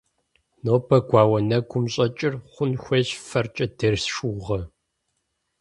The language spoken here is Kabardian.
Нобэ гуауэу нэгум щӀэкӀыр хъун хуейщ фэркӀэ дерс шыугъэ.